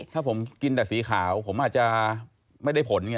ถ้าผมกินแต่สีขาวผมอาจจะไม่ได้ผลไง